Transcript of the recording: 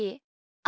あ。